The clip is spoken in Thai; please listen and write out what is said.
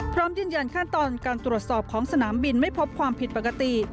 พร้อมยืนยันขั้นตอนการตรวจสอบของสนามบินไม่พบความผิดปกติ